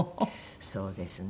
そうですね。